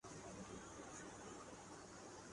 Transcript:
ستم سکھلائے گا رسم وفا ایسے نہیں ہوتا